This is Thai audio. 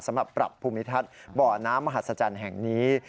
สำหรับปรับภูมิทัศน์บ่อน้ำมหัศจรรย์แห่งนี้